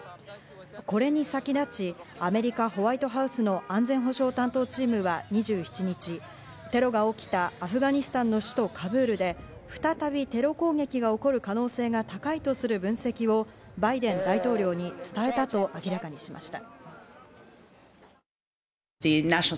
これに先立ちアメリカ・ホワイトハウスの安全保障担当チームは２７日、テロが起きたアフガニスタンの首都・カブールで再びテロ攻撃が起こる可能性が高いとする分析をバイデン大統領に伝えたと明らかにしました。